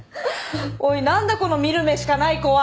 おい何だこの見る目しかない子は！